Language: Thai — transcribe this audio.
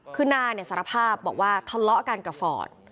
คือนาเนี่ยสารภาพบอกว่าทะเลาะกันกับฟอร์ด